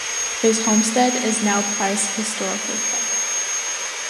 His homestead is now Price Historical Park.